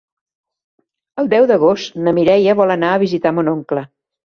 El deu d'agost na Mireia vol anar a visitar mon oncle.